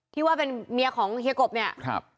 ที่ว่าเป็นเมียของเฮียกบ